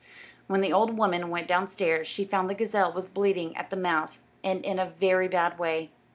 When the old woman went downstairs, she found the gazelle was bleeding at the mouth, and in a very bad way.